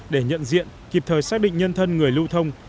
để nhận diện kịp thời xác định nhân thân người lưu thông